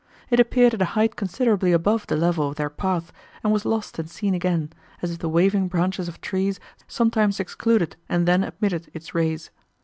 It appeared at a height considerably above the level of their path, and was lost and seen again, as if the waving branches of trees sometimes excluded and then admitted its rays.